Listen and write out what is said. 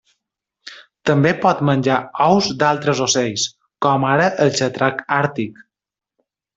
També pot menjar ous d'altres ocells, com ara el xatrac àrtic.